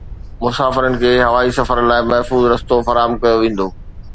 مسافرن کي هوائي سفر لاءِ محفوظ رستو فراهم ڪيو ويندو